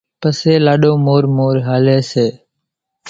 پسي لاڏو مورِ مورِ ھالي سي۔